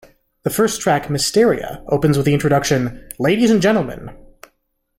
The first track "Mysteria" opens with the introduction "Ladies and Gentlemen!